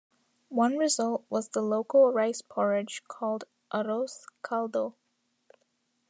One result was the local rice porridge called "arroz caldo".